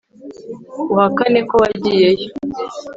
uhakana ko wagiyeyo